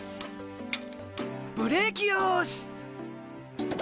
ブレーキよし。